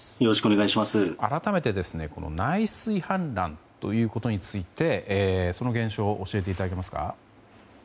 改めて内水氾濫ということについてその現象を教えていただけますか？